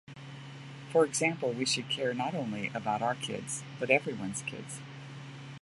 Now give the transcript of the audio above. For example, we should care not only about our kids, but everyone's kids.